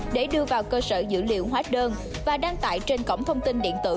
để đưa vào cơ sở dữ liệu hóa đơn và đăng tải trên cổng thông tin điện tử